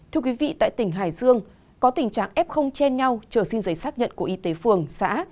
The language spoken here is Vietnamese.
thưa quý vị tại tỉnh hải dương có tình trạng ép không che nhau trở xin giấy xác nhận của y tế phường xã